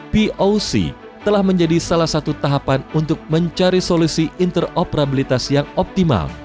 poc telah menjadi salah satu tahapan untuk mencari solusi interoperabilitas yang optimal